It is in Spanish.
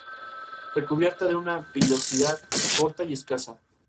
Era parte de la Operación Yoav, llevándose a cabo al final de esta.